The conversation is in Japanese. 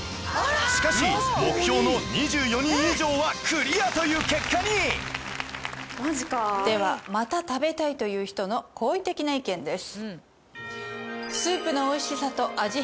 しかし目標の２４人以上はクリアという結果にでは「また食べたい」という人の好意的な意見です。